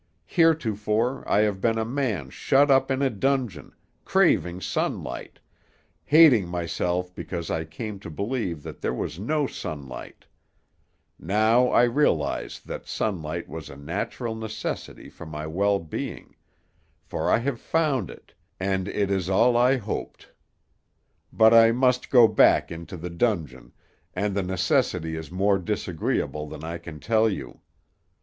Heretofore I have been a man shut up in a dungeon, craving sunlight, hating myself because I came to believe that there was no sunlight; now I realize that sunlight was a natural necessity for my well being, for I have found it, and it is all I hoped. But I must go back into the dungeon, and the necessity is more disagreeable than I can tell you.